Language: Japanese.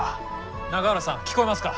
永浦さん聞こえますか？